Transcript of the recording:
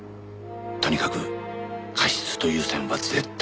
とにかく過失という線は絶対に譲るな。